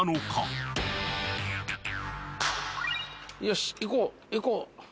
よし行こう行こう。